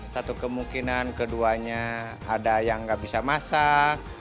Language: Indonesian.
satu kemungkinan keduanya ada yang nggak bisa masak